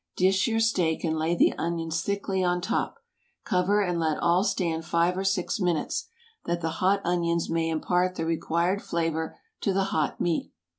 Dish your steak and lay the onions thickly on top. Cover and let all stand five or six minutes, that the hot onions may impart the required flavor to the hot meat.